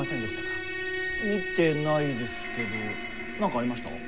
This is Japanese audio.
見てないですけど何かありました？